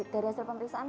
dari hasil pemeriksaan